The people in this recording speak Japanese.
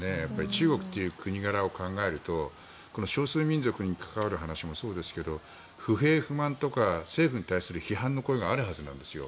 中国という国柄を考えると少数民族に関わる話もそうですが不平不満とか政府に対する批判の声があるはずなんですよ。